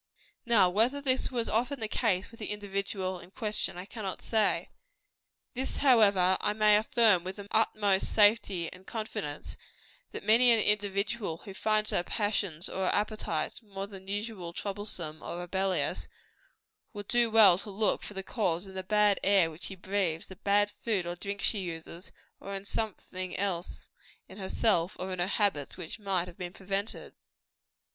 Now, whether this was often the case with the individual in question, I cannot say. This, however, I may affirm with the utmost safety and confidence that many an individual who finds her passions or her appetites more than usually troublesome or rebellious, would do well to look for the cause in the bad air which she breathes, the bad food or drinks she uses, or in something else in herself or in her habits which might have been prevented.